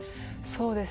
そうですね